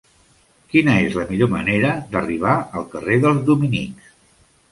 Quina és la millor manera d'arribar al carrer dels Dominics?